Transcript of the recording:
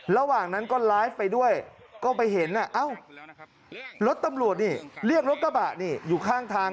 ระหว่างนั้นก็ไลฟ์ไปด้วยก็ไปเห็นเอ้ารถตำรวจนี่เรียกรถกระบะนี่อยู่ข้างทาง